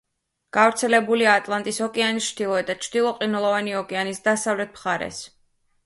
გავრცელებულია ატლანტის ოკეანის ჩრდილოეთ და ჩრდილო ყინულოვანი ოკეანის დასავლეთ მხარეს.